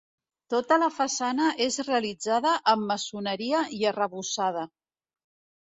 Tota la façana és realitzada amb maçoneria i arrebossada.